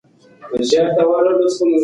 صبر انسان پخوي.